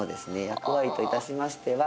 役割といたしましては